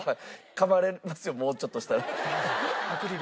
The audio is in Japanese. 噛まれますよもうちょっとしたら。